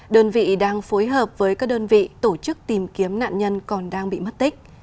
đơn vị đang phối hợp với các đơn vị tổ chức tìm kiếm nạn nhân còn đang bị mất tích